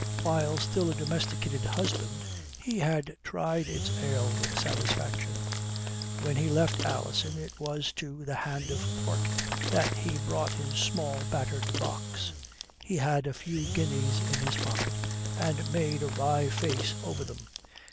While still a domesticated husband, he had tried its ale with satisfaction. When he left Alison it was to 'The Hand of Pork' that he brought his small, battered box. He had a few guineas in his pocket, and made a wry face over them.